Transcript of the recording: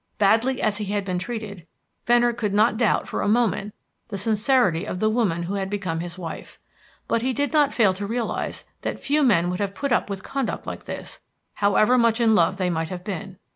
Badly as he had been treated, Venner could not doubt for a moment the sincerity of the woman who had become his wife. But he did not fail to realise that few men would have put up with conduct like this, however much in love they might have been.